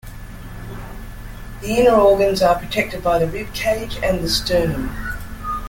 The inner organs are protected by the rib cage and the sternum.